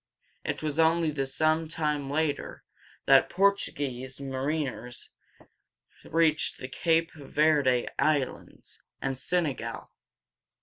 It was only some time later that Por´tu guese mariners reached the Cape Verde Islands and Sen e gal´.